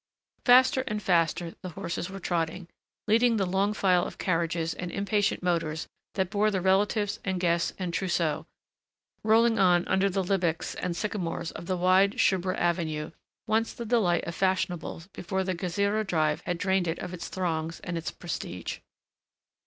Faster and faster the horses were trotting, leading the long file of carriages and impatient motors that bore the relatives and guests and trousseau, rolling on under the lebbeks and sycamores of the wide Shubra Avenue, once the delight of fashionables before the Gezireh Drive had drained it of its throngs and its prestige.